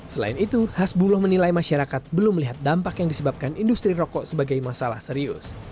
selain itu hasbuloh menilai masyarakat belum melihat dampak yang disebabkan industri rokok sebagai masalah serius